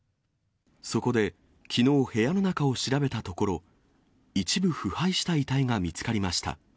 そこできのう部屋の中を調べたところ、一部腐敗した遺体が見つかりました。